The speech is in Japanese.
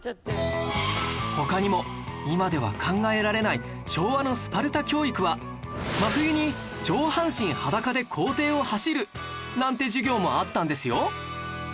他にも今では考えられない昭和のスパルタ教育は真冬に上半身裸で校庭を走るなんて授業もあったんですよ